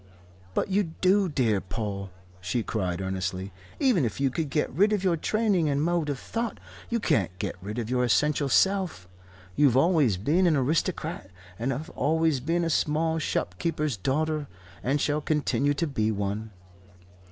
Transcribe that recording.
"But you do, dear Paul," she cried earnestly. "Even if you could get rid of your training and mode of thought, you can't get rid of your essential self. You've always been an aristocrat, and I've always been a small shop keeper's daughter and shall continue to be one."